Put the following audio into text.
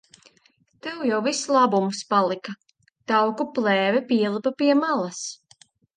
Tev jau viss labums palika. Tauku plēve pielipa pie malas.